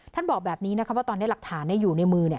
ท่านบอกแบบนี้ว่าตอนนี้ลักฐานอยู่ในมือ